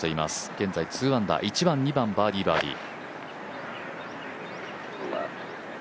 現在２アンダー、１番、２番バーディー、バーディー。